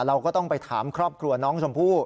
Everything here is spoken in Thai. เราก็ต้องไปถามครอบครัวน้องชมพู่